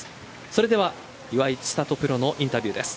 それでは岩井千怜プロのインタビューです。